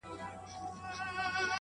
ورځ به تېره په مزلونو چي به شپه سوه!.